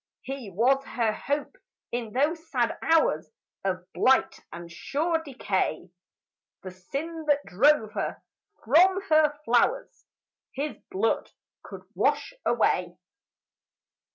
He was her hope in those sad hours Of blight and sure decay; The sin that drove her from her flowers His blood could wash away.